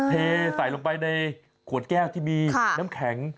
เทใส่ลงไปในขวดแก้วที่มีน้ำแข็ง